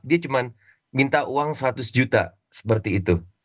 dia cuma minta uang seratus juta seperti itu